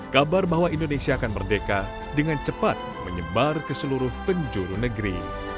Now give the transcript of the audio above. kabar bahwa indonesia akan merdeka dengan cepat menyebar ke seluruh penjuru negeri